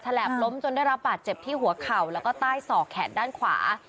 แหลบล้มจนได้รับบาดเจ็บที่หัวเข่าแล้วก็ใต้ศอกแขนด้านขวา